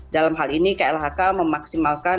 dalam hal ini klhk memaksimalkan